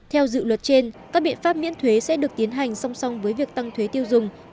theo dự luật trên các biện pháp miễn thuế sẽ được tiến hành song song với việc tăng thuế tiêu dùng